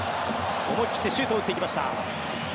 思い切ってシュートを打ってきました。